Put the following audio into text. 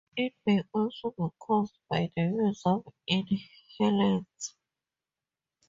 It may also be caused by the use of inhalants.